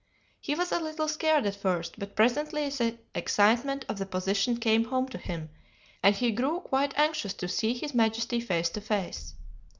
He was a little scared at first, but presently the excitement of the position came home to him, and he grew quite anxious to see his majesty face to face.